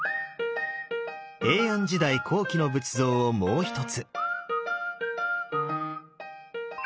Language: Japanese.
平安時代後期の仏像をもう一つ。